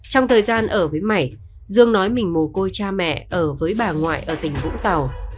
trong thời gian ở với mảy dương nói mình mồ côi cha mẹ ở với bà ngoại ở tỉnh vũng tàu